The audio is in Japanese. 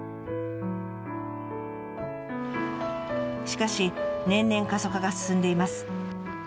しかし年々過疎化が進んでいます。